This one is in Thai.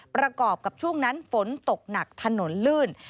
ประกอบกับช่วงนั้นฝนตกหนักถนนลื่น